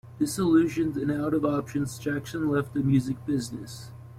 Disillusioned and out of options, Jackson left the music business.